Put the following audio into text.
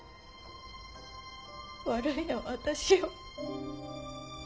悪いのは私よ。